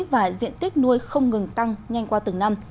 và diện tích nuôi không ngừng tăng nhanh qua từng năm